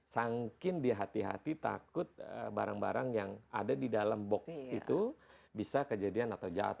sangkin di hati hati takut barang barang yang ada di dalam box itu bisa kejadian atau jatuh